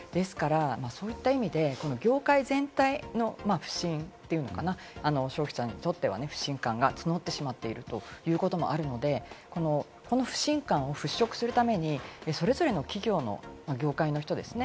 そういった意味で、業界全体の不振というのかな、消費者にとっては不信感が募ってしまっているということもあるので、この不信感を払拭するためにそれぞれの企業の業界の人ですね。